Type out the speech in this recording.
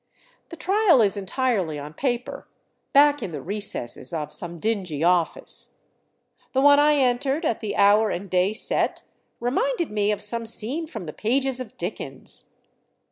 The trial is entirely on paper, back in the recesses of some dingy office. The one I entered at the hour and day set reminded me of some scene from the pages of Dickens.